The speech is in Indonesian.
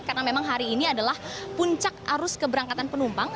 karena memang hari ini adalah puncak arus keberangkatan penumpang